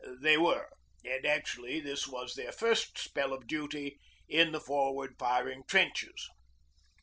They were: and actually this was their first spell of duty in the forward firing trenches.